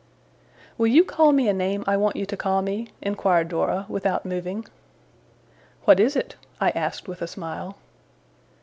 'Will you call me a name I want you to call me?' inquired Dora, without moving. 'What is it?' I asked with a smile.